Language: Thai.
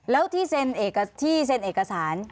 แล้วที่เซ็นเอกสาร